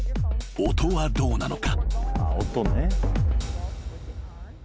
音はどうなのか？］